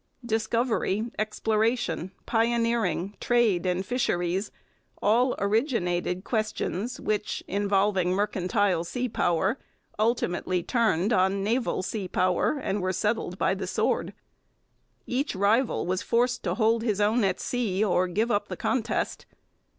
Discovery, exploration, pioneering, trade, and fisheries, all originated questions which, involving mercantile sea power, ultimately turned on naval sea power and were settled by the sword. Each rival was forced to hold his own at sea or give up the contest.